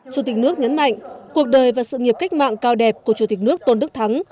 chủ tịch nước nhấn mạnh cuộc đời và sự nghiệp cách mạng cao đẹp của chủ tịch nước tôn đức thắng